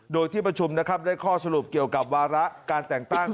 โดยที่ประชุมนะครับได้ข้อสรุปเกี่ยวกับวาระการแต่งตั้ง